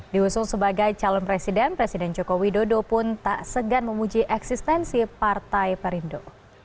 diusul sebagai calon presiden presiden jokowi dodo pun tak segan memuji eksistensi partai perindo